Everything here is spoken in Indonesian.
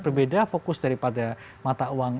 berbeda fokus daripada mata uang